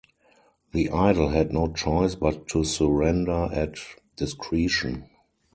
The idol had no choice but to surrender at discretion.